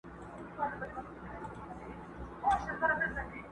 شمعي دي بلیږي او ګډیږي دي ړانده ورته!.